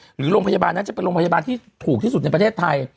หรือโรงพยาบาลนั้นจะเป็นโรงพยาบาลที่ถูกที่สุดในประเทศไทย